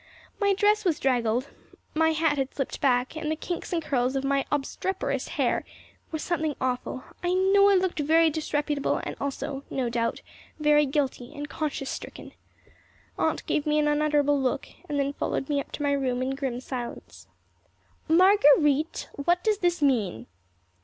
My dress was draggled, my hat had slipped back, and the kinks and curls of my obstreperous hair were something awful. I know I looked very disreputable and also, no doubt, very guilty and conscience stricken. Aunt gave me an unutterable look and then followed me up to my room in grim silence. "Marguer_ite_, what does this mean?"